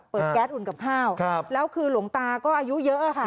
แก๊สอุ่นกับข้าวแล้วคือหลวงตาก็อายุเยอะค่ะ